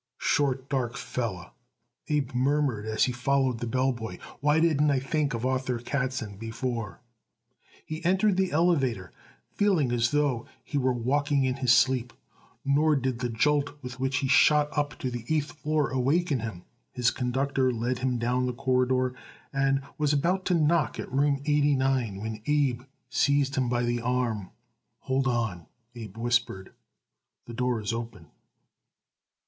"Short, dark feller," Abe murmured as he followed the bell boy. "Why didn't I think of Arthur Katzen before?" He entered the elevator, feeling as though he were walking in his sleep; nor did the jolt with which he was shot up to the eighth floor awaken him. His conductor led him down the corridor and was about to knock at room eighty nine when Abe seized him by the arm. "Hold on," Abe whispered. "The door is open."